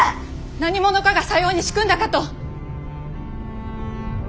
何者かがさように仕組んだかと。